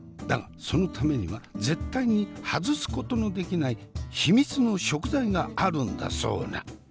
だがそのためには絶対に外すことのできない秘密の食材があるんだそうな。